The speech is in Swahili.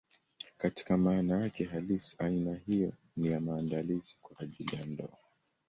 Katika maana yake halisi, aina hiyo ni ya maandalizi kwa ajili ya ndoa.